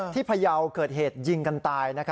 ที่พยาวเกิดเหตุยิงกันตายนะครับ